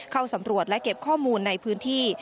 เข้าสำรวจและเก็บข้อมูลในพื้นที่